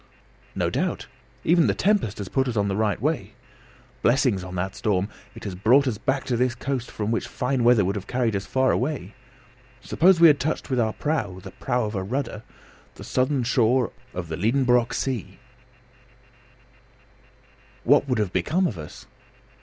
"No doubt; even the tempest has put us on the right way. Blessings on that storm! It has brought us back to this coast from which fine weather would have carried us far away. Suppose we had touched with our prow (the prow of a rudder!) the southern shore of the Liedenbrock sea, what would have become of us?